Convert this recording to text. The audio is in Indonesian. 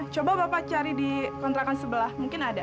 coba bapak cari di kontrakan sebelah mungkin ada